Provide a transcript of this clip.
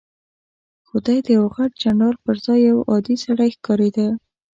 خو دی د یوه غټ جنرال پر ځای یو عادي سړی ښکارېده.